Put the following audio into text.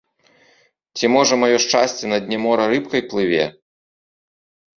Ці, можа, маё шчасце на дне мора рыбкай плыве?